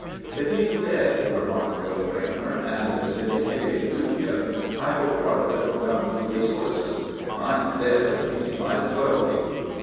"If he's dead," remarked Bill Braymer, "an' there's any pay due him, I hope part of it'll come for these horses. Mine's dead, an' Pete's might as well be."